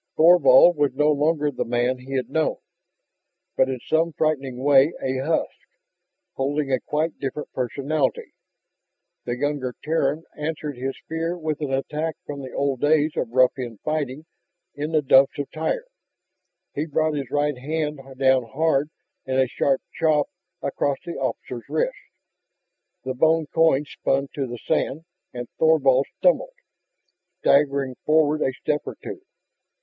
Thorvald was no longer the man he had known, but in some frightening way a husk, holding a quite different personality. The younger Terran answered his fear with an attack from the old days of rough in fighting in the Dumps of Tyr. He brought his right hand down hard in a sharp chop across the officer's wrists. The bone coin spun to the sand and Thorvald stumbled, staggering forward a step or two.